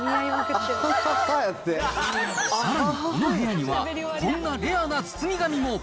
さらにこの部屋には、こんなレアな包み紙も。